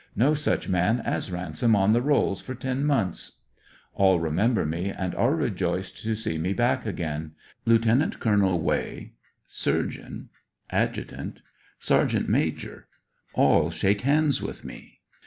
No such man as Ransom on the rolls for ten months." All remember me and are rejoiced to see me back again. Lieut. Col. Way, Surgeon, Adjutant, Sergeant Major, all shake hands with me.